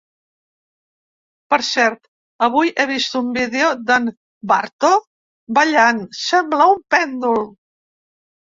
Per cert, avui he vist un vídeo d’en ‘Barto’ ballant, sembla un pèndol.